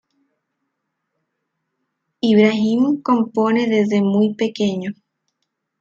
Ibrahim compone desde muy pequeño.